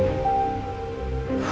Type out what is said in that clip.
mokaan indahnya maka players eike